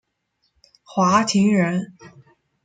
华亭人。